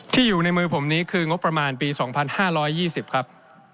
อยู่ในมือผมนี้คืองบประมาณปี๒๕๒๐ครับ